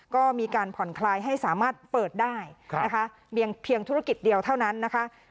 ก็มีการผ่อนคลายให้สามารถเปิดได้นะคะเพียงเท่านั้นนะคะ